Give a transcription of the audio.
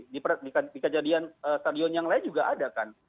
di kejadian stadion yang lain juga ada kan